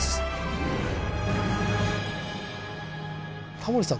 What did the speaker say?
タモリさん